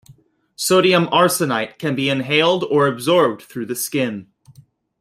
Sodium arsenite can be inhaled or absorbed through the skin.